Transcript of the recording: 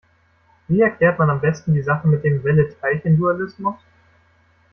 Wie erklärt man am besten die Sache mit dem Welle-Teilchen-Dualismus?